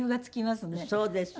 そうですよ。